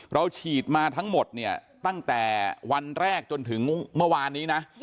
เราฉีดมาทั้งหมดเนี่ยตั้งแต่วันแรกจนถึงเมื่อวานนี้นะ